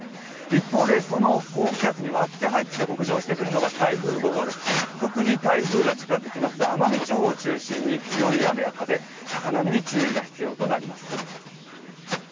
一方で、その高気圧に割って入って北上してくるのが特に台風が近づきます奄美地方を中心に強い雨や風、高波に注意が必要となります。